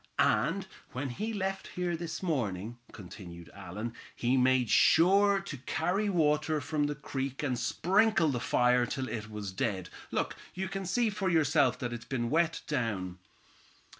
"And when he left here this morning," continued Allan, "he made sure to carry water from the creek and sprinkle the fire till it was dead. Look, you can see for yourself that it's been wet down."